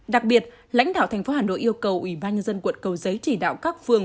đặc biệt lãnh đạo tp hà nội yêu cầu ủy ban nhân dân quận cầu giấy chỉ đạo các phương